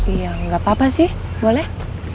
iya nggak apa apa sih boleh